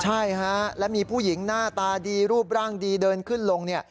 ใช่ฮะและมีผู้หญิงหน้าตาดีรูปร่างดีเดินขึ้นลง